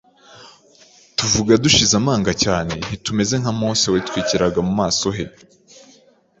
tuvuga dushize amanga cyane, ntitumeze nka Mose watwikiraga mu maso he,